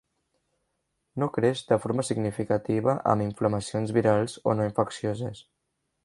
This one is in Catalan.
No creix de forma significativa amb inflamacions virals o no infeccioses.